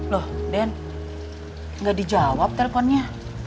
loh den nggak dijawab teleponnya